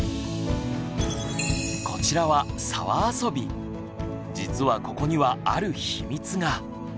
こちらは実はここにはある秘密が。